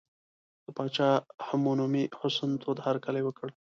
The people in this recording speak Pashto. د پاچا همنومي حسن تود هرکلی وکړ.